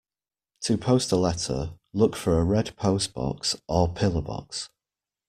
To post a letter, look for a red postbox or pillar box